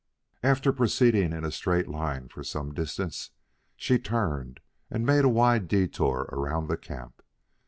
After proceeding in a straight line for some distance, she turned and made a wide detour around the camp.